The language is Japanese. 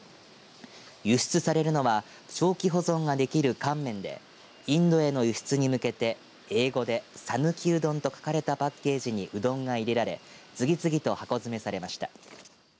輸出されるのは長期保存ができる乾麺でインドへの輸出に向けて英語でＳＡＮＵＫＩＵＤＯＮと書かれたパッケージにうどんが入れられて次々と箱詰めされました。